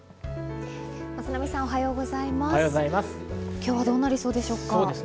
今日はどうなりそうですか？